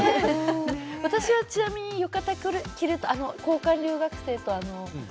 私は、ちなみに浴衣を着ると交換留学生と。